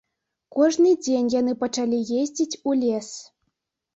Кожны дзень яны пачалі ездзіць у лес.